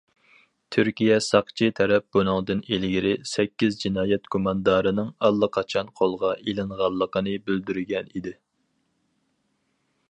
تۈركىيە ساقچى تەرەپ بۇنىڭدىن ئىلگىرى، سەككىز جىنايەت گۇماندارىنىڭ ئاللىقاچان قولغا ئېلىنغانلىقىنى بىلدۈرگەن ئىدى.